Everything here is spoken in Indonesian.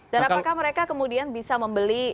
dan apakah mereka kemudian bisa membeli